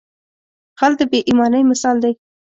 غل د بې ایمانۍ مثال دی